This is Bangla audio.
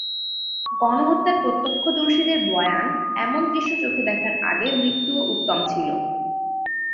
গণহত্যার প্রত্যক্ষদর্শীদের বয়ান," এমন দৃশ্য চোখে দেখার আগে মৃত্যুও উত্তম ছিল"।